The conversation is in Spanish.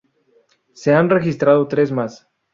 Se han registrado tres más.